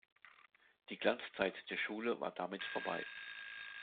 Die Glanzzeit der Schule war damit vorbei.